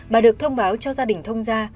bà được thông báo cho gia đình thông ra